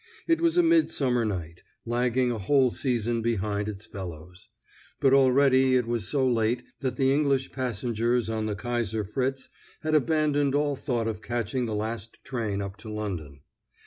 It was a midsummer night, lagging a whole season behind its fellows. But already it was so late that the English passengers on the Kaiser Fritz had abandoned all thought of catching the last train up to London.